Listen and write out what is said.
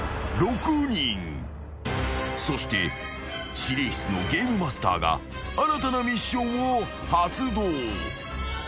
［そして司令室のゲームマスターが新たなミッションを発動］